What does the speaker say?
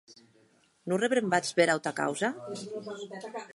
Non rebrembatz bèra auta causa?